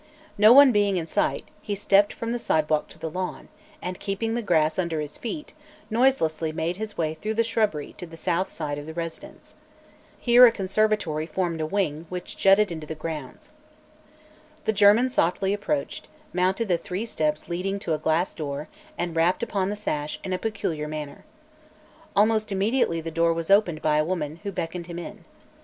No one being in sight, he stepped from the sidewalk to the lawn, and keeping the grass under his feet, noiselessly made his way through the shrubbery to the south side of the residence. Here a conservatory formed a wing which jutted into the grounds. The German softly approached, mounted the three steps leading to a glass door, and rapped upon the sash in a peculiar manner. Almost immediately the door was opened by a woman, who beckoned him in.